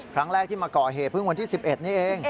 ครั้งแรกที่มาก่อเหตุเพิ่งวันที่๑๑นี่เอง